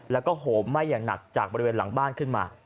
แล้วก็โหมไหม้อย่างหนักจากบริเวณหลังบ้านขึ้นมา